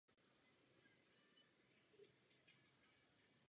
Autorem kostela je patrně Kilián Ignác Dientzenhofer podle plánů svého otce Kryštofa.